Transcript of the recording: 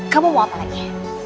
kamu mau apa lagi